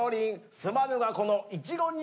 すまぬがこの。